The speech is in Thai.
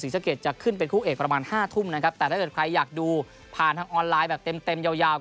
สีสะเกดจะขึ้นเป็นคู่เอกประมาณ๕ทุ่มนะครับแต่ถ้าใครอยากดูผ่านทางออนไลน์แบบเต็มยาว